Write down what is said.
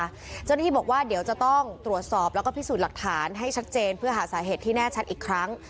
เจ้าหน้าที่บอกว่าเดี๋ยวจะต้องตรวจสอบแล้วก็พิสูจน์หลักฐานให้ชัดเจนเพื่อหาสาเหตุที่แน่ชัดอีกครั้ง